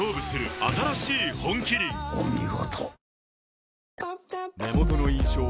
お見事。